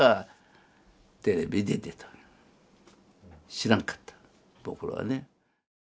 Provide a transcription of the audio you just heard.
知らんかった僕らはね。